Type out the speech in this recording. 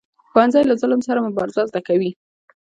ښوونځی له ظلم سره مبارزه زده کوي